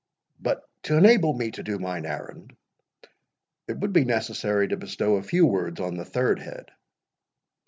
But, to enable me to do mine errand, it would be necessary to bestow a few words on the third head."